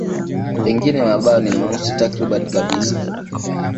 Pengine mabawa ni meusi takriban kabisa.